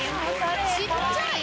ちっちゃい！